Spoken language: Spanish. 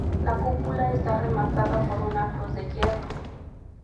La cúpula está rematada por una cruz de hierro.